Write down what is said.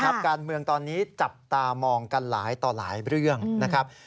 การเมืองตอนนี้จับตามองกันหลายต่อหลายเรื่องนะครับ